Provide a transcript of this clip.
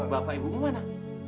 bapak ibumu mana